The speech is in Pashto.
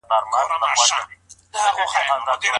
که خاطب واک درکړي نو څه ډاډ ترې اخلئ؟